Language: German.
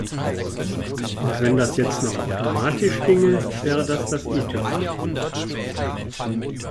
Und wenn das jetzt noch automatisch ginge, wäre das das i-Tüpfelchen.